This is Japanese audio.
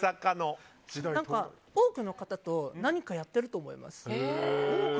多くの方と何かやってると思います。